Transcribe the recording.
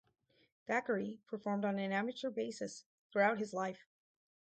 Thackery performed on an amateur basis throughout his life.